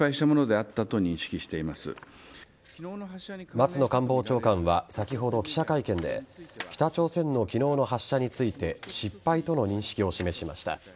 松野官房長官は先ほど、記者会見で北朝鮮の昨日の発射について失敗との認識を示しました。